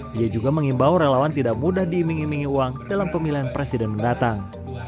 dia juga mengimbau relawan tidak mudah diiming imingi uang dalam pemilihan presiden mendatang